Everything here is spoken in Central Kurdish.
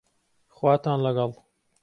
خواتان لەگەڵ